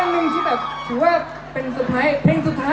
ยอมป็อกเธอก็ไม่รู้